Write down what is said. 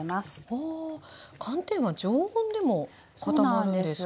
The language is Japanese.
ああ寒天は常温でも固まるんですか？